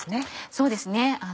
そうですね。